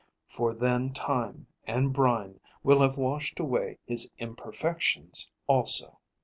For then time and brine will have washed away his imperfections also.